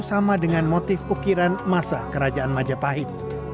sama dengan motif ukiran masa kerajaan majapahit